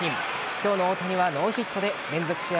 今日の大谷はノーヒットで連続試合